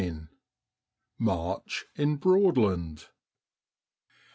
MAKCH IN BBOADLAND.